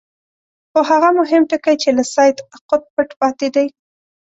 خو هغه مهم ټکی چې له سید قطب پټ پاتې دی.